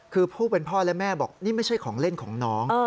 คือผู้เป็นพ่อและแม่บอกนี่ไม่ใช่ของเล่นของน้อง